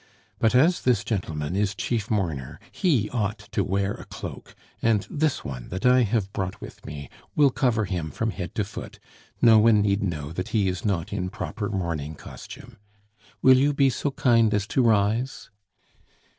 But as this gentleman is chief mourner, he ought to wear a cloak, and this one that I have brought with me will cover him from head to foot; no one need know that he is not in proper mourning costume. Will you be so kind as to rise?"